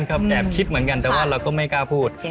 แอบคิดเหมือนกันแต่ว่าเราก็ไม่กล้าพูด